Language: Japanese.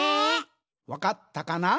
わかったかな？